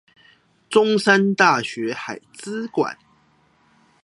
中山大學海資館